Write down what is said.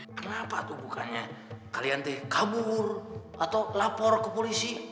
kenapa tuh bukannya kalian tuh kabur atau lapor ke polisi